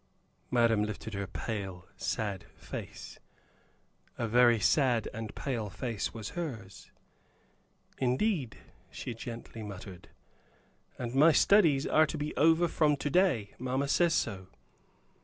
Madam lifted her pale, sad face a very sad and pale face was hers. "Indeed!" she gently uttered. "And my studies are to be over from to day, Mamma says so."